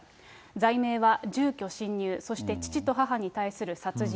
罪名は住居侵入、そして父と母に対する殺人。